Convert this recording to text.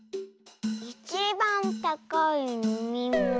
いちばんたかいのみもの。